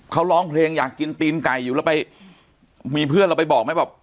เขาร้องเพลงอยากกินตีนไก่อยู่แล้วไปมีเพื่อนเราไปบอกไหมแบบ